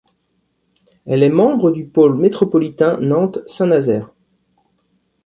Elle est membre du pôle métropolitain Nantes - Saint-Nazaire.